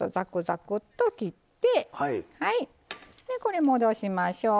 でこれ戻しましょう。